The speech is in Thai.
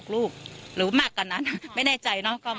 ลูกหรือมากกว่านั้นไม่แน่ใจเนอะ